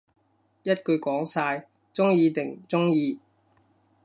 一句講晒，鍾意定唔鍾意